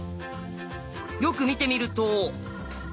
よく見てみると。